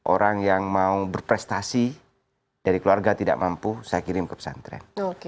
orang yang mau berprestasi dari keluarga tidak mampu saya kirim ke pesantren